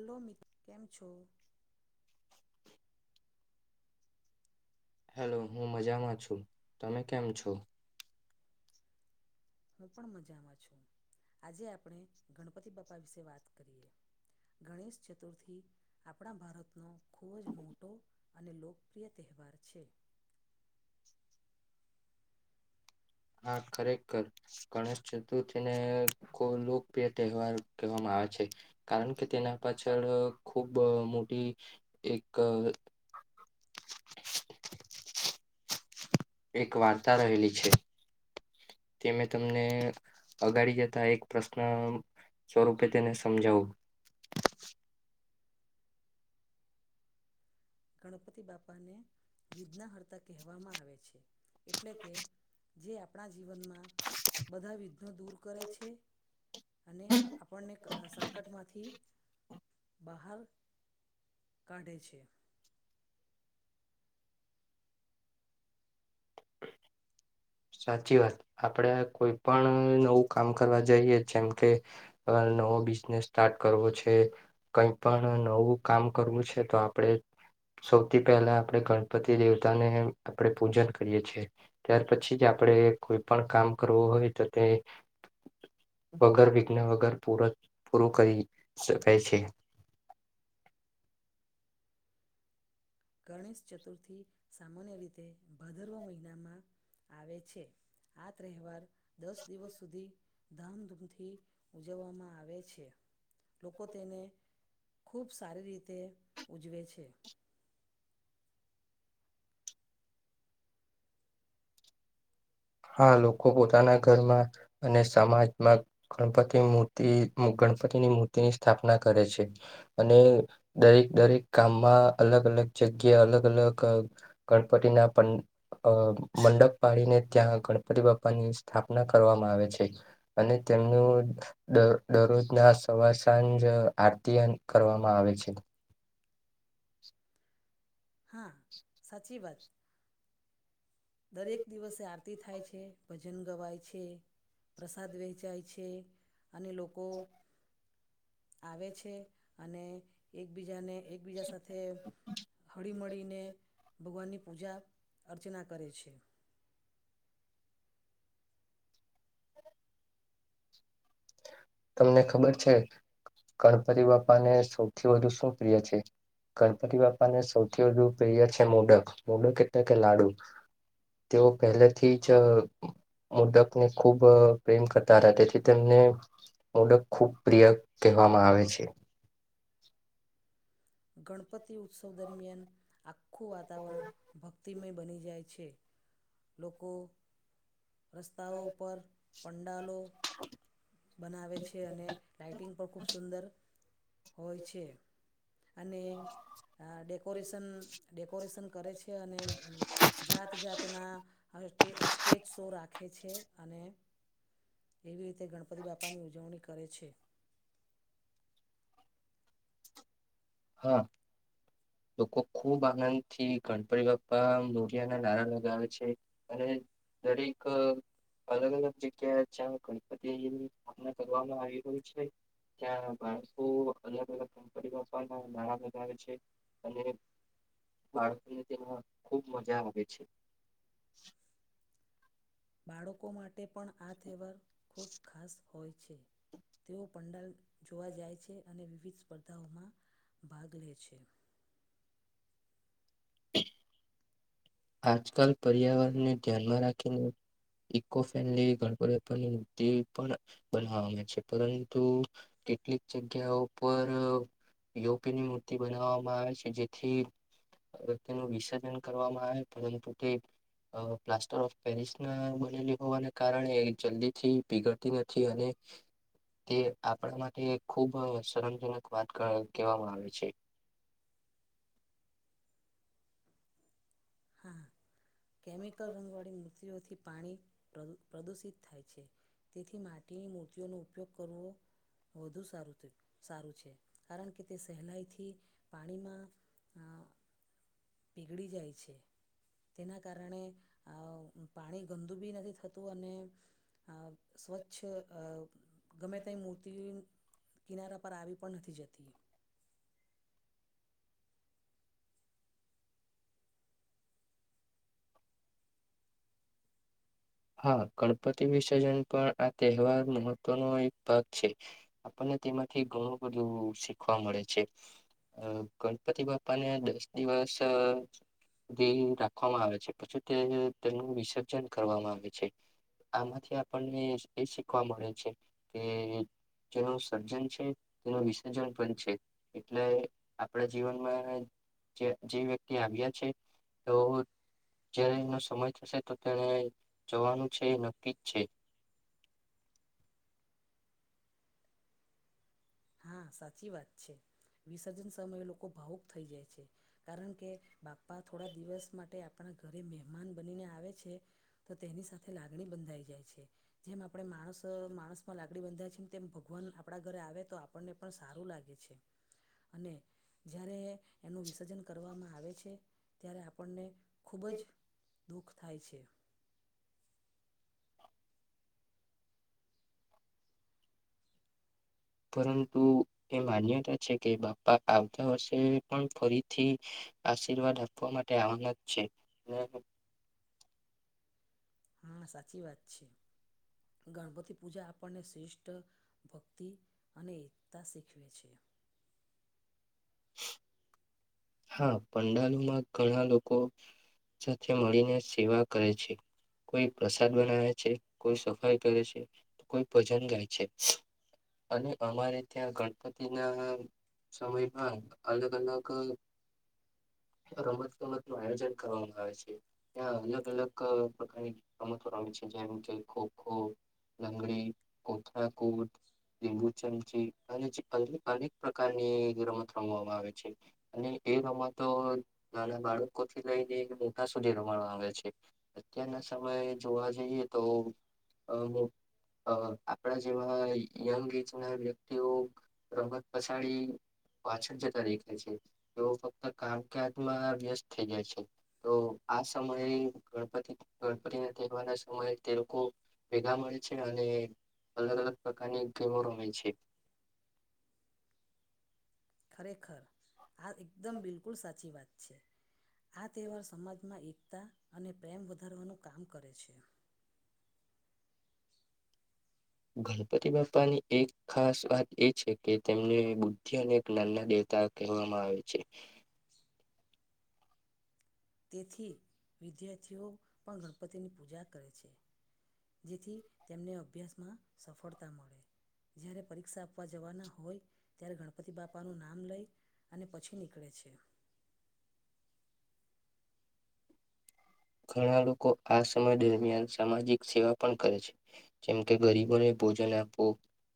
Hello મિત્ર કેમ છો? હેલો હું મજામાં છું. તમે કેમ છો? હું પણ મજામાં છું. આજે આપણે ગણપતિ બાપા વિશે વાત કરીએ. ગણેશ ચતુર્થી આપણા ભારતનો ખૂબ જ મોટો અને લોકપ્રિય તહેવાર છે. હા ખરેખર ગણેશ ચતુર્થી ને ખ લોકપ્રિય તહેવાર કહેવામાં આવે છે. કારણ કે તેના પાછળ ખૂબ મોટી એક એક વાર્તા રહેલી છે. તે મે તમને અગાડી જતા એક પ્રશ્ન સ્વરૂપે તેને સમજાવો ગણપતિ બાપાને વિક્ષનહરતા કહેવામાં આવે છે એટલે કે જે આપણા જીવનમાં બધા વિઘ્નો દૂર કરે છે. અને આપણને ક સંકટમાંથી બહાર કાઢે છે. સાચી વાત આપડે કોઈ પણ નવું કામ કરવા જઈએ જેમ કે કાલ નવો બિઝનેસ સ્ટાર્ટ કરવો છે. કઈ પણ નવું કામ કરવું છે તો આપડે સૌથી પહેલા આપણે ગણપતિ દેવતાને આપણેે પૂજન કરીએ છીએ ત્યાર પછી. પછી જ આપણે કોઈ પણ કામ કરવું હોય તો તે વગર વિઘ્ન વગર પૂરત પૂરું કરી શકાય છે. ગણેશ ચતુર્થી સામાન્ય રીતે ભાદરવ મહિનામાં આવે છે. આ તહેવાર દસ દિવસ સુધી ધામધૂમથી ઉજવવામાં આવે છે લોકો તેને ખૂબ સારી રીતે ઉજવે છે. હા લોકો પોતાના ઘરમાં અને સમાજમાં ગણપતિ મૂર્તિ ગણપતિની મૂર્તિની સ્થાપના કરે છે. અને દરેક દરેક કામમાં અલગ અલગ જગ્યા અલગ અલગ. ગણપતિના મંડપ પાડીને ત્યાં ગણપતિ બાપા ની સ્થાપના કરવામાં આવે છે, અને તેમનું દરરોજના સવા સાંજ આરતી કરવામાં આવે છે. હા, સાચી વાત. દરેક દિવસે આરતી થાય છે ભજન ગવાય છે. પ્રસાદ વહેંચાય છે અને લોકો આવે છે, અને એકબીજાને એકબીજા સાથે હળી મળીને ભગવાનની પૂજા, અર્ચના. કરે છે. તમને ખબર છે, ગણપતિ બાપ્પાને સૌથી વધુ શું પ્રિય છે. ગણપતિ બાપાને સૌથી વધુ પ્રિય છે મોડક મોડક એટલે કે લાડુ. તેઓ પહેલેથી જ. મુદકને ખૂબ પ્રેમ કરતા હતા તેથી તેમને ઓડક ખુબ પ્રિય કહેવામાં આવે છે. ગણપતિ ઉત્સવ દરમિયાન આખું વાતાવરણ ભક્તિમય બની જાય છે. લોકો રસ્તાઓ ઉપર પંડાલો. બનાવે છે અને લાઇટિંગ પણ ખૂબ સુંદર. હોય છે, અને ડેકોરેશન ડેકોરેશન કરે છે અને જાત જાતના ્ટ સ્ટેજ શો રાખે છે અને એવી રીતે ગણપતિ બાપાની ઉજવણી કરે છે. હા. લોકો ખુબ આનંદ થી ગણપરી બાપા નૂરિયા ના નારા લગાવે છે. અને દરેક અલગ અલગ જગ્યા જ્યાં ગણપતિ ની સ્થાપના કરવામાં આવી હોય છે. ત્યા બળસો અલગ અલગ કામ કર. નાણા બનાવે છે અને બાળકો ને તેમાં ખુબ મજા આવે છે. બાળકો માટે પણ આ તહેવાર ખૂબ ખાસ હોય છે, તેઓ પંડાલ જોવા જાય છે અને વિવિધ સ્પર્ધાઓમાં ભાગ લે છે. [inaudible] આજકાલ પર્યાવરણને ધ્યાનમાં રાખીને ઇકો ફલીૂતિ પણ બના છે પરંતુ કેટલીક જગ્યાઓ પર યોપીની મૂર્તિ બનાવવામાં આવે છે, જેથી્યનું વિસર્જન કરવામાં આવે. પરંતુ તે પ્લાસ્ટર ઓફ પેરિસ ના બનેલી હોવાને કારણે જલ્દી થી બીગડતી નથી અને તે આપણા માટે ખુબ શરમજનક વાત કેહેવામાં આવે છે. હા. કેમિકલ રંગવાળી મૂર્તિઓથી પાણી, પ્રદૂષિત થાય છે. તેથી માટીની મૂર્તિઓનો ઉપયોગ કરવો. વધુ સારું થયું, -સારું છે કારણ કે તે સહેલાઈથી પાણીમાં હા. પીગળી જાય છે. તેના કારણે પાણી ગંદુ બી નથી થતું અને સ્વચ્છ ગમે તેમ મૂર્તિ કિનારા પર આવી પણ નથી જતી. હા, ગણપતિ વિસર્જન પણ આ તહેવાર મહત્વનો એક ભાગ છે. આપણને તેમાંથી ઘણું બધું શીખવા મળે છે. અ ગણપતિ બાપાને દસ દિવસ તે રાખવામાં આવે છે પછી, તે તેનું વિસર્જન કરવામા છે. ‌આમાંથી આપણને એ શીખવા મળે છેકે. જેનું સર્જન છે, તેનું વિસર્જન પણ છે. એટલે આપણા જીવનમા જે વ્યક્તિ આવ્યા છે. તો જયારે એનો સમય થશે તો તેને જવાનુ છેએ, નક્કી જ છે. હા સાચી વાત છે. વિસર્જન સમયે લોકો ભાવુક થઈ જાય છે, કારણ કે, બાપ્પા થોડા દિવસ માટે ઘરે મહેમાન બનીને આવે છે તો તેની સાથે લાગણી બંધાઈ જાય છે. જેમ આપણે માણસ માણસમાં લાગણી બધાય છે, તેમ ભગવાન આપણા ઘરે આવે તો અને પણ સારુ લાગે છે. અને જ્યારે એનુ વિસર્જન કરવામાં આવે છે, ત્યારે આપણને ખૂબ જ દુખ થાય છે. પરંતુ એ માન્યતા છે કે, બાપા આવતા વર્ષે પણ ફરીથી આર્શીવાદ આપવા માટે આવવાના જ છે. હા, સાચી વાત છે. ગણપતિ પૂજા આપણને શ્રેષ્ઠ ભક્તિ અને એકતા શીખવે છે. હા, પંડાલમાં ઘણા લોકો સાથે મળીને સેવા કરે છે. કોઈ પ્રસાદ બનાવે છે, કોઈ સફાઈ કરે છે, કોઈ ભજન ગાય છે. અને અમારે ત્યાં ગણપતિ ના સમયમા અલગ, અલગ રમત ગમતનુ આયોજન કરવામાં આવે છે. ત્યાં અલગ અલગ પ્રકારની રમતો રમે છે. જેમ કે, ખોખો લંગડી, કોથાઙ કોૂટ લીંબુ ચમચી અને અનેક પ્રકારની રમત રમવામાં આવે છે. અને એ રમતો નાના બાળકો થી લઈને મોટા સુધી રમાડવા આવે છે. અત્યારના સમયે જોવા જઈએ તોઅ અ આપણા જેવા યંગ એજ ના વ્યક્તિઓ રમત પછાડી પાછળ જતા દેખાય છે. તેઓ ફક્ત કામકાજમાં વ્યસ્ત થઈ જાય છે. તો આ સમયે ગણપતિ, ગણપતિ ને તહેવારના સમયે તે લોકો ભેગા મળે છે અને અલગ -અલગ પ્રકારની ગેમો રમે છે. ખરેખર, આ એકદમ બિલકુલ સાચી વાત છે. આ તહેવાર સમાજમાં એકતા અને પ્રેમ વધારવાનું કામ કરે છે. ગણપતિ બાપાની એક ખાસ વાત એ છે કે, તેમને બુદ્ધિ અને જ્ઞાનના દેવતા કેહવામાં આવે છે. તેથી વિદ્યાર્થીઓ પણ ગણપતિની પૂજા કરે છે. જેથી તેમને અભ્યાસમાં સફળતા મળે જય્યારે પરીક્ષા આપવા જવાના હોય ત્યારે ગણપતિ બાપાનું નામ લઈ. અને પછી નીકળે છે. ઘણા લોકો આ સમય દરમિયાન સામાજિક સેવા પણ કરે છે. જેમ કે ગરીબોને ભોજન આપવું,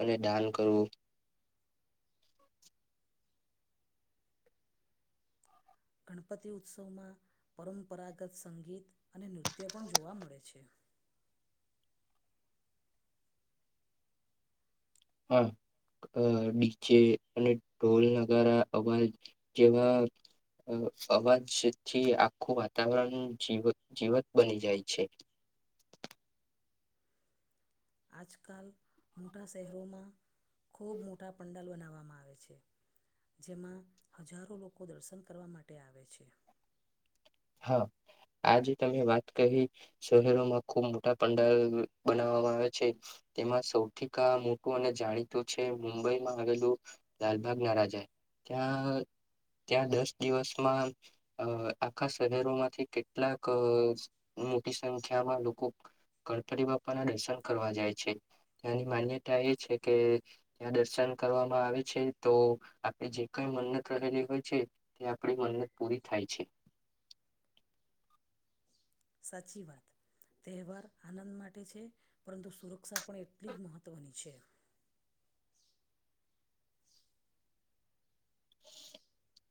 અને દાન કરવું. ગણપતિ ઉત્સવમાં પરંપરાગત સંગીત અને નૃત્ય પણ જોવા મળે છે. હા. અહ ડી જે અને ઢોલ નગારા અવાજ કેવા અવાજ થી આખું વાતાવરણ જીવ જીવત બની જાય છે. આજકાલ મોટા શહેરોમાં ખૂબ મોટા પંડાલ બનાવવામાં આવે છે. જેમાં હજારો લોકો દર્શન કરવા માટે આવે છે. હા. આજે તમે વાત કહી શહેરોમાં ખુબ મોટા પંડાલ બનાવવામાં આવે છે તેમાં સૌથી કા મોટું અને જાણીતું છે મુંબઈમાં આવેલું લાલબાગ ના રાજા. ત્યાં-ત્યાં દસ દિવસમાં અહ આખ ખા શહેરોમાંથી કેટલાક મોટી સંખ્યામાં લોકો ગણપતિ બાપાના દર્શન કરવા જાય છે. તેની માન્યતા એ છે કે ત્યાં દર્શન કરવામાં આવે છે, તો આપણે જે કંઈ મન્નત કરેલી હોય છે તે આપણી મન્નત પૂરી થાય છે. સાચી વાત. તહેવાર આનંદ માટે છે, પરંતુ સુરક્ષા પણ એટલી જ મહત્વની છે. [inaudible] [inaudible]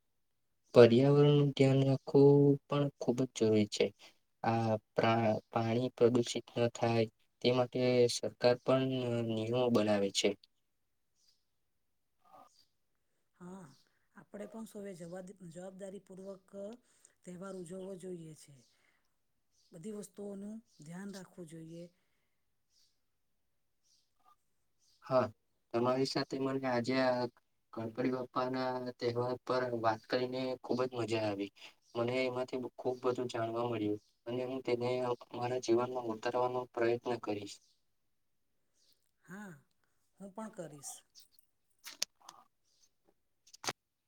પર્યાવરણ નું ધ્યાન રાખવું પણ ખુબ જ જરૂરી છે. આ પ્રા પાણી પ્રદુષિત ન થાય તે માટે સરકાર પણ નિયો બનાવે છે. હા. આપણે પણ શુંવે જવાદ જવાબદારી પૂર્વક તહેવાર ઉજવવો જોઈએ છે. બધી વસ્તુઓનું ધ્યાન રાખવું જોઈએ. હા. તમારી સાથે મને આજે આ ગણપડી બાપ્પા ના તહેવાર પર વાત કરીને ખુબજ મજા આવી. મને એમાંથી ખુબ બધું જાણવા મળ્યું. અને હું તેને મારા જીવનમાં ઉતારવાનો પ્રયત્ન કરીશ. હા. હું પણ કરીશ.